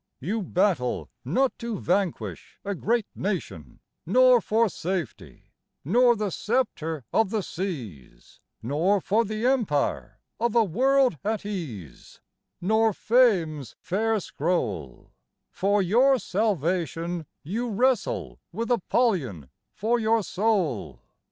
You battle not to vanquish a great nation, Nor for safety, nor the sceptre of the seas, Nor for the Empire of a world at ease, Nor fame's fair scroll: For your salvation, You wrestle with Apollyon for your soul.